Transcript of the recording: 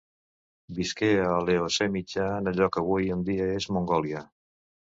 Visqué a l'Eocè mitjà en allò que avui en dia és Mongòlia.